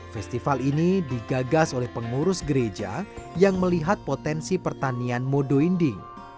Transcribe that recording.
festival ini digagas oleh pengurus gereja yang melihat potensi pertanian modo inding